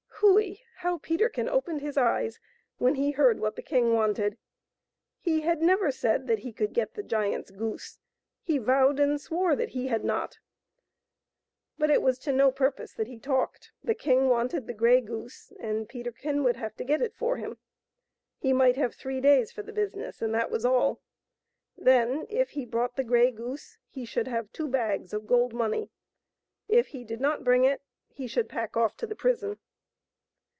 Hui ! how Peterkin opened his eyes when he heard what the king wanted. He had never said that he could get the giant's goose ; he vowed and swore that he had not. But it was to no purpose that he talked, the king wanted the grey goose, and Peterkin would have to get it for him. He might have three days for the business, and that was all. Then, if he brought the grey goose, he should have two bags of gold money; if he did not bring it he should pack off to the prison.